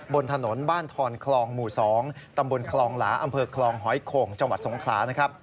บนถนนบ้านทอนคลองหมู่๒ตำบลคลองหลาอำเภอคลองหอยโข่งจังหวัดสงขลานะครับ